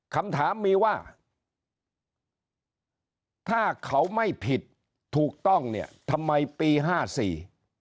คำถามมีว่าถ้าเขาไม่ผิดถูกต้องเนี่ยทำไมปีห้าสี่